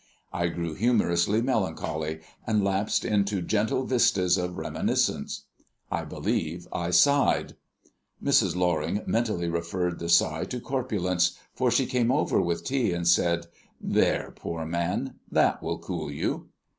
I grew humorously melancholy, and lapsed into gentle vistas of reminiscence. I believe I sighed. Mrs. Loring mentally referred the sigh to corpulence, for she came over with tea, and said, "There, poor man. That will cool you."